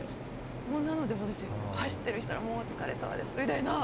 もうなので私走ってる人に「もうお疲れさまです」みたいな。